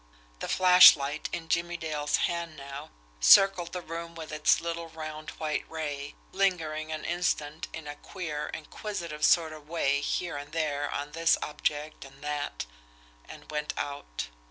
The flashlight, in Jimmie Dale's hand now, circled the room with its little round white ray, lingering an instant in a queer, inquisitive sort of way here and there on this object and that and went out.